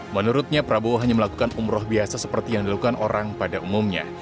menurutnya prabowo hanya melakukan umroh biasa seperti yang dilakukan orang pada umumnya